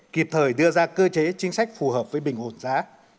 kịp thời đưa ra cơ chế chính sách phù hợp với bình ổn giá